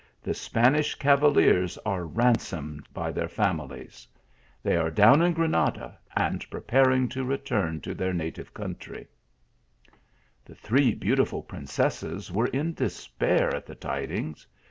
The Spanish cavaliers are ransomed by their families ; they are down in Granada, and preparing to return to their native country," The three beautiful princesses were in despair at 148 THE ALHAMBRA. the tidings.